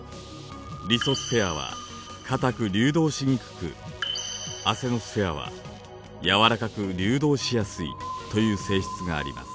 リソスフェアは固く流動しにくくアセノスフェアは軟らかく流動しやすいという性質があります。